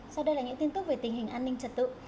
sau đây là những tin tức về tình hình an ninh trật tự